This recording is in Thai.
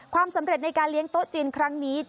ความสำเร็จในการเลี้ยงโต๊ะจีนครั้งนี้